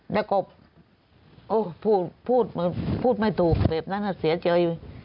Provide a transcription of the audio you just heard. แล้วก็โอ๊ยพูดไม่ถูกเพราะฉะนั้นเสียใจ